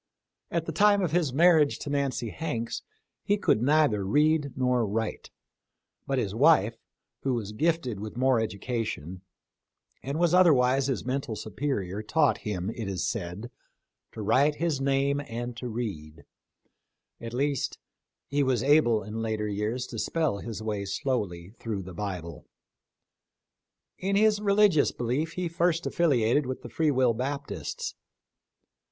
At the time of his marriage to Nancy Hanks he could neither read nor write ; but his wife, who was gifted with more education, and was otherwise his mental supe rior, taught him, it is said, to write his name and to read — at least, he was able in later years to spell his way slowly through the Bible. In his relig ious belief he first affiliated with the Free Will Baptists.